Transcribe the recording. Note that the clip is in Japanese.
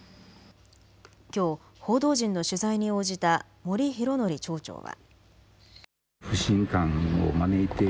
きょう報道陣の取材に応じた森宏範町長は。